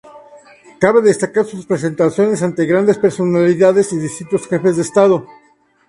Cabe destacar sus presentaciones ante grandes personalidades y distintos jefes de estado.